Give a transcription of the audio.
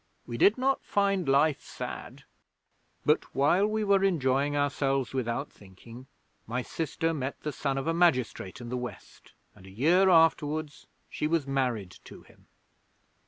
We did not find life sad. 'But while we were enjoying ourselves without thinking, my sister met the son of a magistrate in the West and a year afterwards she was married to him.